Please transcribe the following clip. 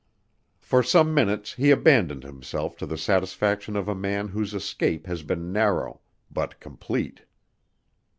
For some minutes he abandoned himself to the satisfaction of a man whose escape has been narrow but complete.